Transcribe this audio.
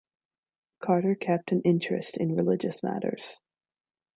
Carter kept an interest in religious matters.